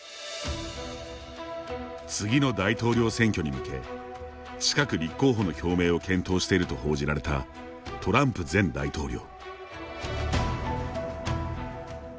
次の大統領選挙に向け近く立候補の表明を検討していると報じられたトランプ前大統領。